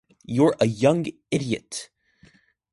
You're a young idiot!